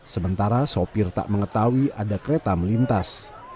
sementara sopir tak mengetahui ada kereta melintas